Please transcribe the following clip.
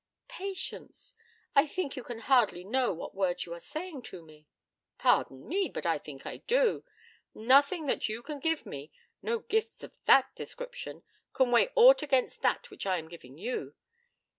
'Patience, I think you can hardly know what words you are saying to me.' 'Pardon me, but I think I do. Nothing that you can give me no gifts of that description can weigh aught against that which I am giving you.